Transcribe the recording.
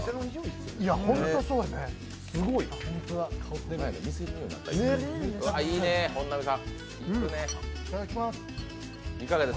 いただきます。